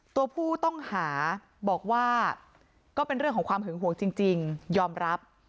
ตัวผู้ต้องหาบอกว่าก็เป็นเรื่องของความหึงหวงจริงยอมรับ